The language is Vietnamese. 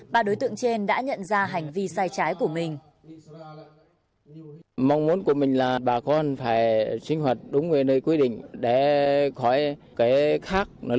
ba đối tượng trên đã nhận ra hành vi sai trái của mình